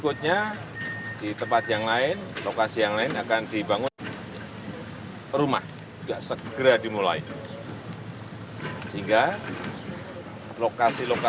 untuk november lalu